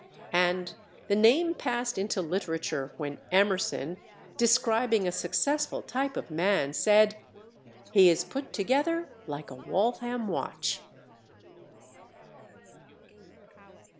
And the name passed into literature when Emerson, describing a successful type of man, said, "He is put together like a Waltham watch."